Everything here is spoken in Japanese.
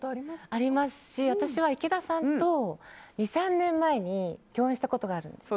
ありますし、私は池田さんと２３年前に共演したことがあるんです。